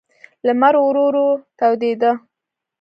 لمر ورو ورو تودېده.